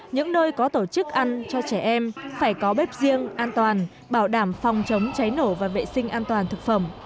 những nơi có tổ chức ăn cho trẻ em phải có bếp riêng an toàn bảo đảm phòng chống cháy nổ và vệ sinh an toàn thực phẩm